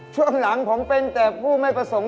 ช่วงหลังผมเป็นแต่ผู้ไม่ประสงค์